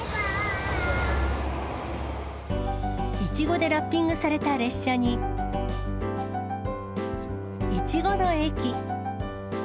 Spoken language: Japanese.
イチゴでラッピングされた列車に、いちごの駅。